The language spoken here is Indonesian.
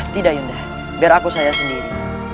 tidak ibu nda biar aku saya sendiri